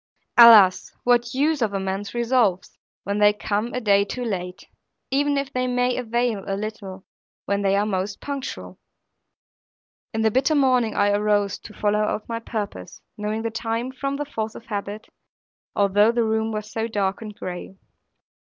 Alas what use of man's resolves, when they come a day too late; even if they may avail a little, when they are most punctual! In the bitter morning I arose, to follow out my purpose, knowing the time from the force of habit, although the room was so dark and gray.